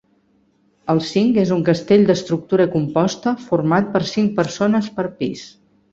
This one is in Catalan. Un cinc és un castell d'estructura composta format per cinc persones per pis.